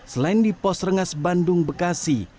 selain di pos rengas bandung bekasi